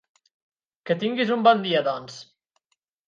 Que tinguis un bon dia, doncs!